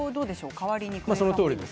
そのとおりです。